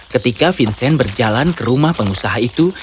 ketika vincent berjalan ke rumah pengusaha itu